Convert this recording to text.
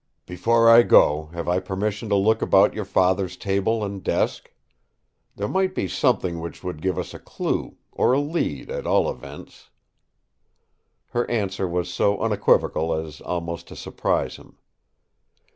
"Before I go have I permission to look about your Father's table and desk? There might be something which would give us a clue—or a lead at all events." Her answer was so unequivocal as almost to surprise him.